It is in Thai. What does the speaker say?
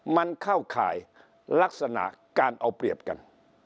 มันเข้าข่ายลักษณะการเอาเปรียบกัน